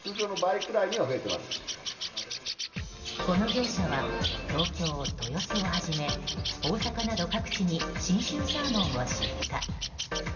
この業者は東京・豊洲をはじめ大阪など各地に信州サーモンを出荷。